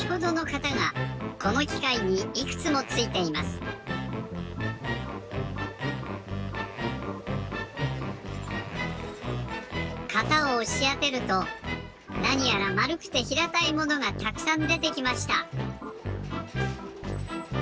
型をおしあてるとなにやらまるくてひらたいものがたくさんでてきました。